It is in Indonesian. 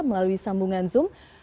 melalui sambungan zoom